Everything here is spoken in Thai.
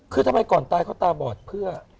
คือทำไมก่อนตายเขาตาบอดเพื่อ